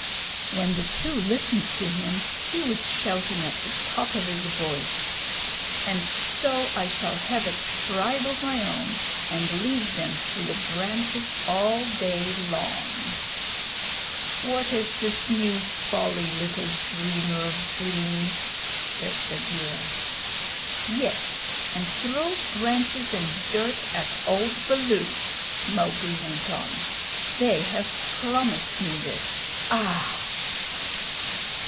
When the two listened to him he was shouting at the top of his voice, "And so I shall have a tribe of my own, and lead them through the branches all day long." "What is this new folly, little dreamer of dreams?" said Bagheera. "Yes, and throw branches and dirt at old Baloo," Mowgli went on. "They have promised me this. Ah!"